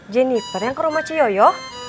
jenniper yang ke rumah ciyoyo